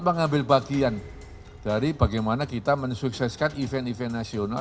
mengambil bagian dari bagaimana kita mensukseskan event event nasional